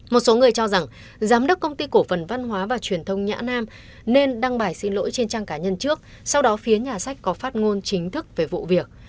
một số người cho rằng giám đốc công ty cổ phần văn hóa và truyền thông nhã nam nên đăng bài xin lỗi trên trang cá nhân trước sau đó phía nhà sách có phát ngôn chính thức về vụ việc